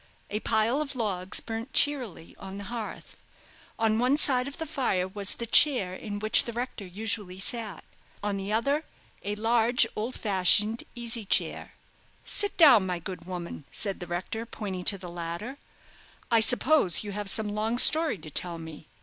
A pile of logs burnt cheerily on the hearth. On one side of the fire was the chair in which the rector usually sat; on the other, a large, old fashioned, easy chair. "Sit down, my good woman," said the rector, pointing to the latter; "I suppose you have some long story to tell me."